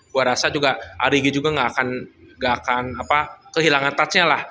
gue rasa juga arigi juga gak akan kehilangan touchnya lah